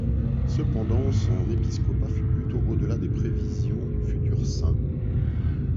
Cependant, son épiscopat fut plutôt au-delà des prévisions du futur saint.